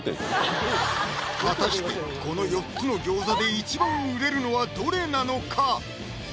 果たしてこの４つの餃子で一番売れるのはどれなのか？